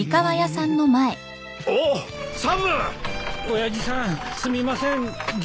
親父さんすみません実は。